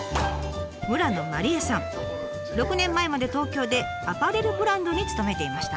６年前まで東京でアパレルブランドに勤めていました。